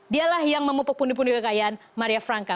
dialah yang memupuk pundi pundi kekayaan maria franka